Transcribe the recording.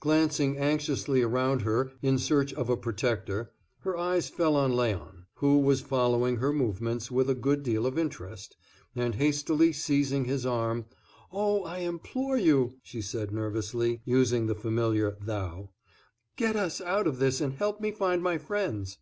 Glancing anxiously around her in search of a protector, her eyes fell on Léon, who was following her movements with a good deal of interest, and, hastily seizing his arm, "Oh, I implore you," she said nervously, using the familiar thou, "get us out of this and help me find my friends."